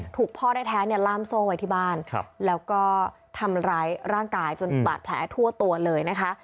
พ่อแท้เนี่ยล่ามโซ่ไว้ที่บ้านแล้วก็ทำร้ายร่างกายจนบาดแผลทั่วตัวเลยนะคะ